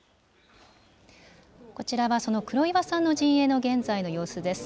こちらは、その黒岩さんの陣営の現在の様子です。